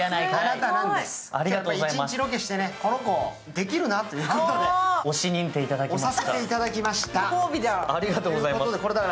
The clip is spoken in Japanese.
一日ロケして、この子できるなと、推し認定いただきました。